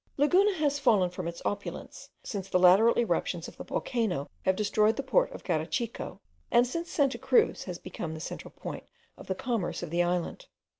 Laguna has fallen from its opulence, since the lateral eruptions of the volcano have destroyed the port of Garachico, and since Santa Cruz has become the central point of the commerce of the island.